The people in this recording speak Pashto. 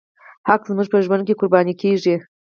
حق زموږ په ژوند کې قرباني کېږي.